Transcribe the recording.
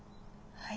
はい。